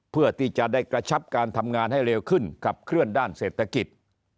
เพื่อที่จะได้กระชับการทำงานให้เร็วขึ้นขับเคลื่อนด้านเศรษฐกิจ